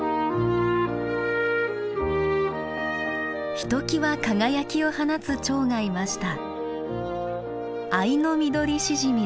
ひときわ輝きを放つチョウがいました。